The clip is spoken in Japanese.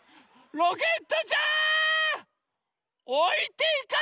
ロケットちゃん。